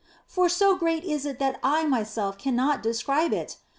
For so great is it that I myself cannot describe it.